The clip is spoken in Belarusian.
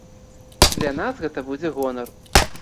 Для нас гэта будзе гонар.